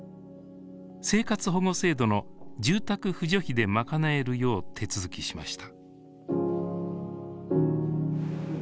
生活保護制度の住宅扶助費で賄えるよう手続きしました。